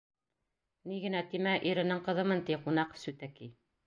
Ни генә тимә, иренең ҡыҙымын, ти, ҡунаҡ всүтәки.